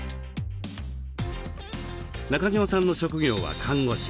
中島さんの職業は看護師。